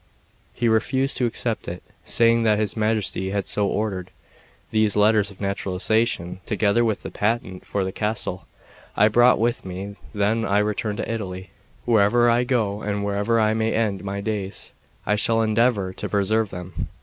He refused to accept it, saying that his Majesty had so ordered. These letters of naturalisation, together with the patent for the castle, I brought with me when I returned to Italy; wherever I go and wherever I may end my days, I shall endeavour to preserve them.